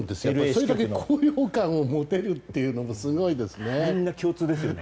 それだけ高揚感が持てるのがすごいですね。